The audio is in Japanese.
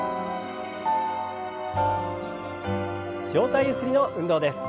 上体ゆすりの運動です。